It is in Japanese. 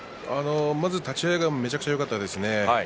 まず立ち合いがめちゃくちゃよかったですね。